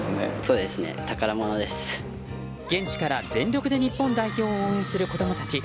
現地から全力で日本代表を応援する子供たち。